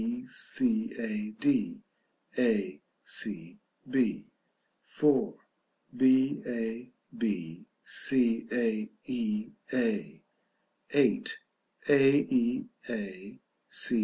b. c. a. d. a. c. b. 4. b. a. b. c. a. e. a.